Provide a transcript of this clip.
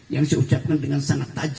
yang saya ucapkan dengan sangat tajam